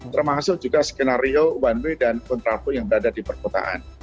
termasuk juga skenario one way dan kontraflow yang berada di perkotaan